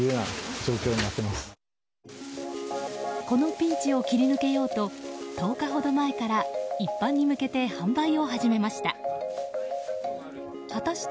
このピンチを切り抜けようと１０日ほど前から一般に向けて販売を始めました。